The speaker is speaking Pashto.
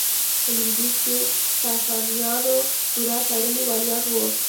په لوېدیځ کې ساسانیانو پوره تړلي والیان وو.